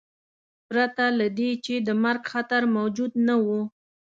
پرته له دې چې د مرګ خطر موجود نه و.